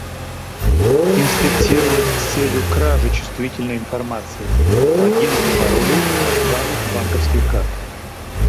Инспектировать с целью кражи чувствительной информации: логинов и паролей, данных банковских карт